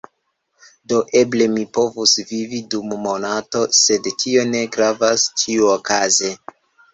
Do, eble mi povus vivi dum monato sed tio ne gravas ĉiuokaze